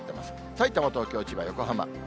さいたま、東京、千葉、横浜。